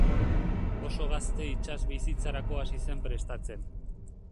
Oso gazte itsas bizitzarako hasi zen prestatzen.